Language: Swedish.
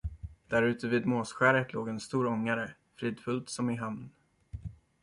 Därute vid Måsskäret låg en stor ångare, fridfullt som i hamn.